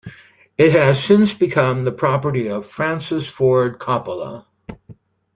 It has since become the property of Francis Ford Coppola.